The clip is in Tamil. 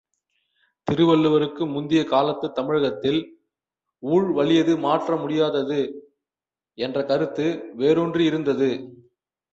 திருவள்ளுவருக்கு முந்திய காலத்துத் தமிழகத்தில், ஊழ் வலியது மாற்ற முடியாதது என்ற கருத்து வேரூன்றியிருந்தது.